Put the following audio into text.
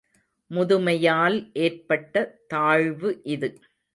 முதுமையால் ஏற்பட்ட தாழ்வு இது.